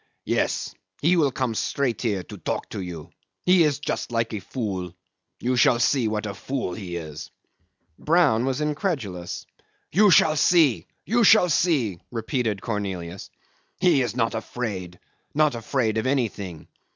"Yes. He will come straight here and talk to you. He is just like a fool. You shall see what a fool he is." Brown was incredulous. "You shall see; you shall see," repeated Cornelius. "He is not afraid not afraid of anything.